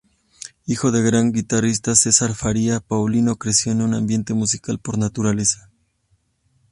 Hijo del gran guitarrista Cesar Faria, Paulinho creció en un ambiente musical por naturaleza.